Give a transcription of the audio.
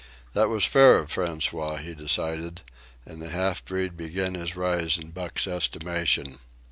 That was fair of François, he decided, and the half breed began his rise in Buck's estimation.